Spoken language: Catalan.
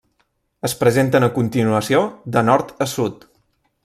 Es presenten a continuació, de nord a sud.